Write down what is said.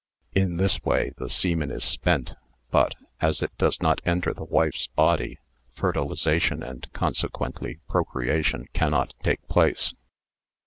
In this way the semen is spent, but, as it does not enter the wife's body, fertilisation and, consequently, procreation can not take place.